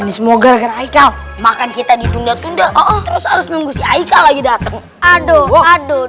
ini semoga karena aikal makan kita ditunda tunda terus harus nunggu si aikal lagi dateng aduh aduh